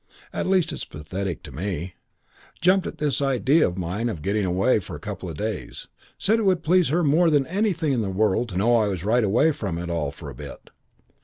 At least, it's pathetic to me. Jumped at this sudden idea of mine of getting away for a couple of days. Said it would please her more than anything in the world to know I was right away from it all for a bit.